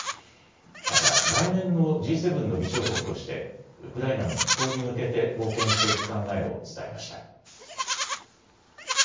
また来年のＧ７の議長国としてウクライナの復興に向けて貢献していく考えを伝えました。